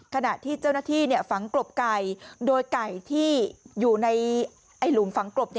ขณะที่เจ้าหน้าที่ฝังกลบไก่โดยไก่ที่อยู่ในหลุมฝังกลบ